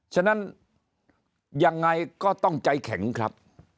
ฉะนั้นยังไงก็ต้องใจแข็งครับ